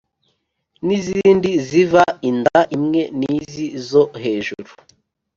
n’izindi ziva inda imwe n’izi zo hejuru